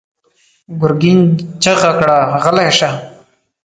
ګرګين چيغه کړه: غلی شه!